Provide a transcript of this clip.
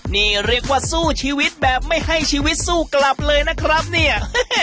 นี่เรียกว่าสู้ชีวิตแบบไม่ให้ชีวิตสู้กลับเลยนะครับเนี่ย